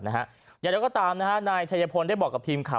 อย่างไรก็ตามนายชัยพลได้บอกกับทีมข่าว